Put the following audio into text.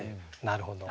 なるほど。